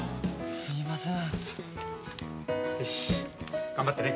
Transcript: すいません。